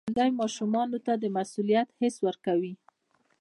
ښوونځی ماشومانو ته د مسؤلیت حس ورکوي.